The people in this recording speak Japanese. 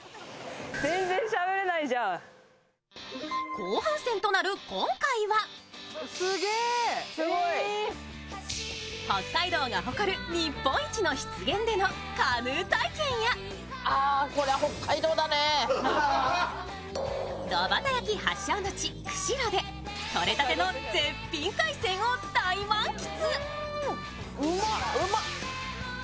後半戦となる今回は北海道が誇る日本一の湿原でのカヌー体験や炉端焼き発祥の地・釧路でとれたての絶品海鮮を大満喫。